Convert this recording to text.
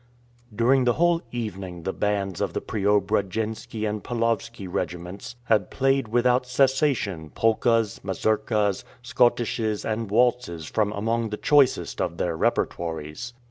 During the whole evening the bands of the Preobra jensky and Paulowsky regiments had played without cessation polkas, mazurkas, schottisches, and waltzes from among the choicest of their repertoires.